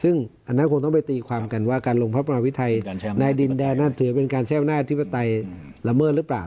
ซึ่งอันนั้นคงต้องไปตีความกันว่าการลงภาพประมาณวิทยาศาสตร์ไทยในดินแดนน่าจะถือเป็นการแช่วหน้าอธิปไตยละเมิดหรือเปล่า